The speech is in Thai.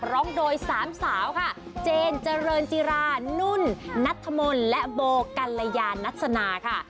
ร้องโดยสามสาวค่ะเจนเจริญจิรานุ่นนัทธมนต์และโบกัลยานัสนาค่ะ